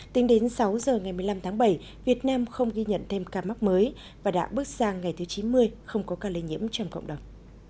tính đến sáu giờ ngày một mươi năm tháng bảy việt nam không ghi nhận thêm ca mắc mới và đã bước sang ngày thứ chín mươi không có ca lây nhiễm trong cộng đồng